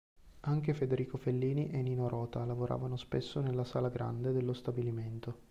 Anche Federico Fellini e Nino Rota lavoravano spesso nella sala grande dello stabilimento.